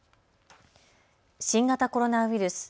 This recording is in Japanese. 新型コロナウイルス。